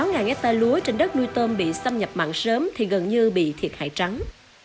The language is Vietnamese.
gần một mươi sáu hectare lúa trên đất nuôi tôm bị xâm nhập mạng sớm thì gần như bị thiệt hại trắng